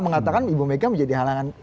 mengatakan ibu mega menjadi halangan